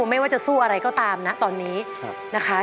ไม่ว่าจะสู้อะไรก็ตามนะตอนนี้นะคะ